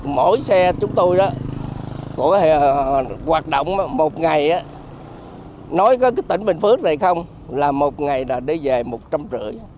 bình phước này không là một ngày là đi về một trăm linh rưỡi